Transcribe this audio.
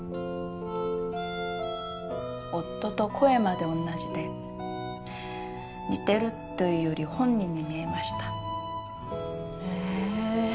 夫と声まで同じで似てるというより本人に見えましたへえ